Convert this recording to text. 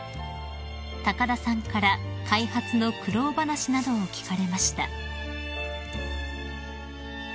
［高田さんから開発の苦労話などを聞かれました］